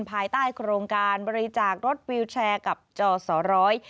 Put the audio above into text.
ภายใต้โครงการบริจาครถวิวแชร์กับจอสอร้อย